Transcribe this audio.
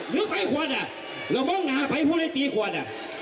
หรือมึงอาไปพูดให้ตีขวด